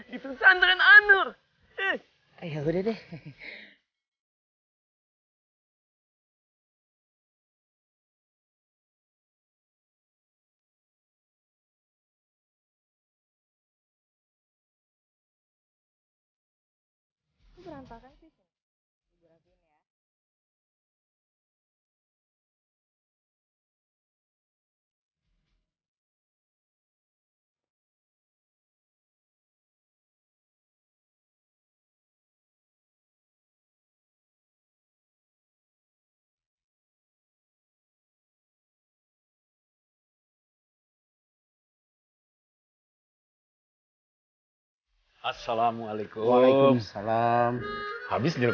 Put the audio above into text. di tusan teran anur